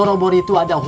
hmm jaring lah